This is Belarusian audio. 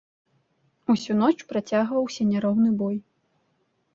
Усю ноч працягваўся няроўны бой.